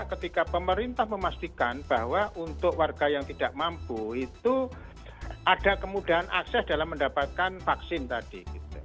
ketika pemerintah memastikan bahwa untuk warga yang tidak mampu itu ada kemudahan akses dalam mendapatkan vaksin tadi